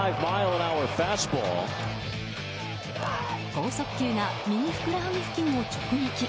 豪速球が右ふくらはぎ付近を直撃。